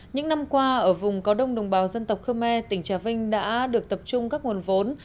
những năm qua ở vùng cao đông đồng bào dân tộc khmer tỉnh trà vinh đã được tập trung các nguồn vốn